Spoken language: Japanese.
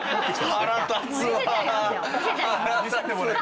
腹立つわ！